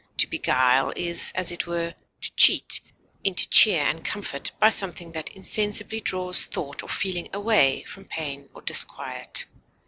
To beguile is, as it were, to cheat into cheer and comfort by something that insensibly draws thought or feeling away from pain or disquiet.